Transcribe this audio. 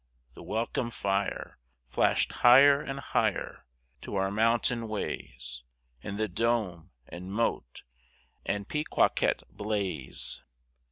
The welcome fire Flashed higher and higher To our mountain ways, And the dome, and Moat and Pequawket blaze!